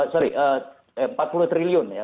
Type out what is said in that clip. sorry empat puluh triliun ya